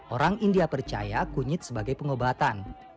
orang india percaya kunyit sebagai pengobatan